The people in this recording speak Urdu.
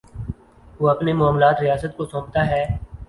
وہ اپنے معاملات ریاست کو سونپتا ہے۔